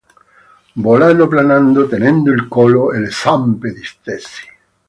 Volano planando, tenendo il collo e le zampe distesi.